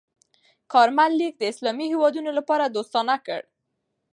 کارمل لیک د اسلامي هېوادونو لپاره دوستانه کړ.